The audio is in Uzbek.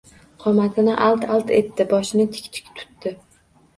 Qomatini adl-adl etdi. Boshini tik-tik tutdi.